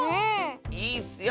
いいッスよ！